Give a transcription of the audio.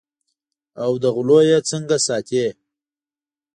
او له غلو یې څنګه ساتې.